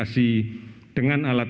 kesempatan yang di alarm